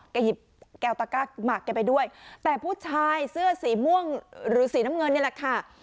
หยิบแก้วตะก้าหมากแกไปด้วยแต่ผู้ชายเสื้อสีม่วงหรือสีน้ำเงินนี่แหละค่ะ